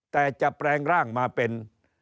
แต่จะแปลงร่างมาเป็น